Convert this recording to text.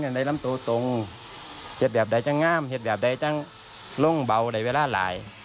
หรือเหตุแบบนี้ที่พอเล่าได้เวลามาก